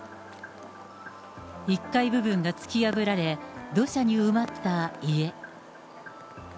１階部分が突き破られ、土砂に埋まった家。